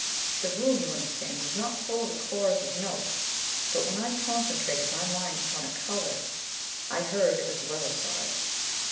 The room, you understand, was not full of a chorus of notes; but when I concentrated my mind upon a colour, I heard, as well as saw, it."